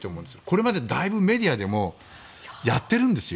これまでもだいぶメディアでもやってるんですよ。